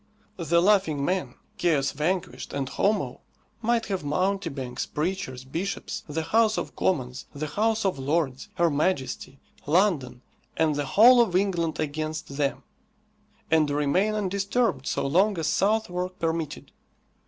The Laughing Man, "Chaos Vanquished," and Homo might have mountebanks, preachers, bishops, the House of Commons, the House of Lords, her Majesty, London, and the whole of England against them, and remain undisturbed so long as Southwark permitted.